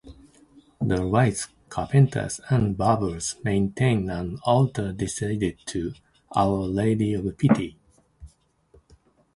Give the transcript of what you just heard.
The wrights (carpenters) and barbers maintained an altar dedicated to "Our Lady of Pity".